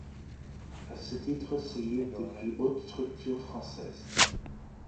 À ce titre, c'est l'une des plus hautes structures françaises.